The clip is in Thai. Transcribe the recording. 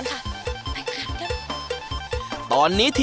สวัสดีค่ะ